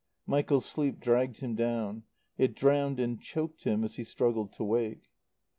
Michael's sleep dragged him down; it drowned and choked him as he struggled to wake.